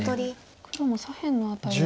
黒も左辺の辺りに。